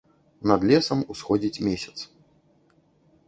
Над лесам усходзіць месяц.